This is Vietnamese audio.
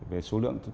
về số lượng